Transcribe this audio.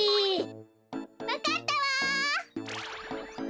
わかったわ！